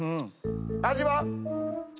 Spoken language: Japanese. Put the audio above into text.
味は？